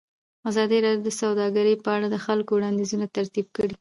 ازادي راډیو د سوداګري په اړه د خلکو وړاندیزونه ترتیب کړي.